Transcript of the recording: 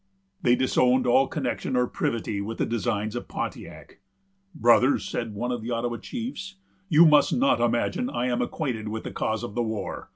They disowned all connection or privity with the designs of Pontiac. "Brother," said one of the Ottawa chiefs, "you must not imagine I am acquainted with the cause of the war.